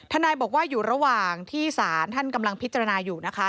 นายบอกว่าอยู่ระหว่างที่ศาลท่านกำลังพิจารณาอยู่นะคะ